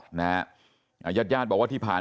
กระดิ่งเสียงเรียกว่าเด็กน้อยจุดประดิ่ง